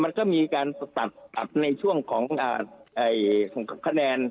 มันก็มีการตัดในช่วงของคะแนน